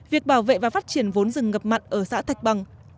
việc bảo vệ và phát triển vốn rừng ngập mặn ở xã thạch bằng